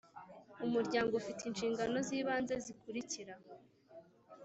Umuryango ufite inshingano z ibanze zikurikira